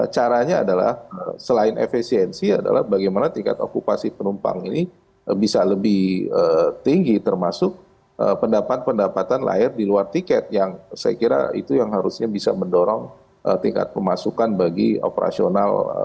caranya adalah selain efisiensi adalah bagaimana tingkat okupasi penumpang ini bisa lebih tinggi termasuk pendapat pendapatan lahir di luar tiket yang saya kira itu yang harusnya bisa mendorong tingkat pemasukan bagi operasional